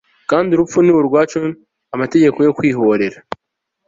Kandi urupfu ni urwacu amategeko yo kwihorera